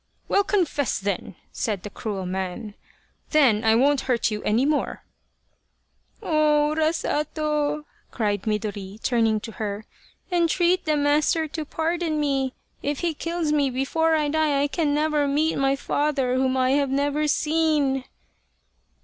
" Well, confess then," said the cruel man, " then I won't hurt you any more !" "Oh ... Urasato," cried Midori, turning to her " entreat the master to pardon me if he kills me, before I die I can never meet my father whom I have never seen."